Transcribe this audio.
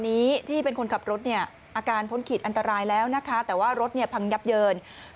นี่เหตุการณ์เกิดย่านพระรามสามสูงมากเลย